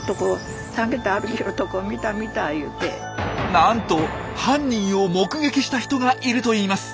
なんと犯人を目撃した人がいるといいます。